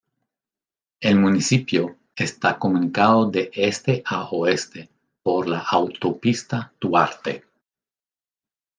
El municipio está comunicado de este a oeste por la Autopista Duarte.